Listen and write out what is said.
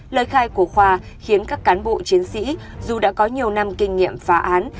lời khai của khoa khiến các cán bộ chiến sĩ dù đã có nhiều năm kinh nghiệm phá án